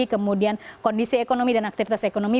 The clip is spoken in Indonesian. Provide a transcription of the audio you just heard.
kemudian kondisi ekonomi dan aktivitas ekonomi